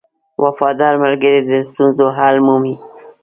• وفادار ملګری د ستونزو حل مومي.